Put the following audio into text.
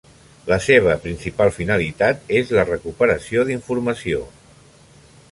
La seva principal finalitat és la recuperació d'informació.